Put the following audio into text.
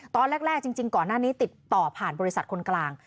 ตอนแรกจริงก่อนหน้านี้ติดต่อผ่านบริษัทคนกลาง